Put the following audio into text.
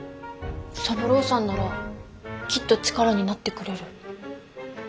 三郎さんならきっと力になってくれる。